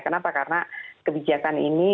kenapa karena kebijakan ini